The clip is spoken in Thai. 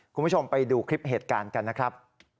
คุณผู้ชมไปดูคลิปเหตุการณ์กันนะครับ